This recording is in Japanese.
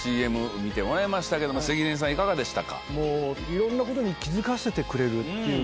いろんなことに気付かせてくれるっていうか。